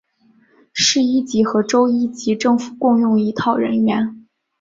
市一级和州一级政府共用一套人员。